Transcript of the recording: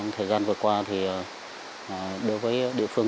thời gian vừa qua đối với địa phương